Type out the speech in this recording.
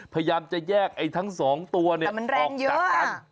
พยายามจะแยกไอ้ทั้งสองตัวเนี่ยออกจากกันแต่มันแรงเยอะ